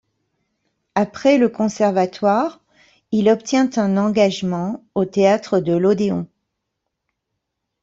Après le Conservatoire, il obtient un engagement au théâtre de l'Odéon.